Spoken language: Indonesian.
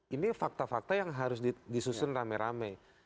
ini fakta fakta yang harus disusun rame rame